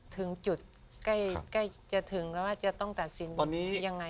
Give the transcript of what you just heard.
ถึงจุดใกล้จะถึงแล้วว่าจะต้องตัดสินวันนี้ยังไง